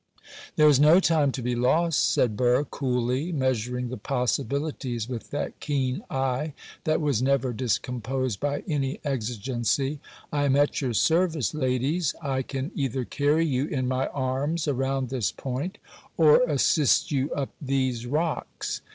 'There is no time to be lost,' said Burr, coolly, measuring the possibilities with that keen eye that was never discomposed by any exigency. 'I am at your service, ladies; I can either carry you in my arms around this point, or assist you up these rocks.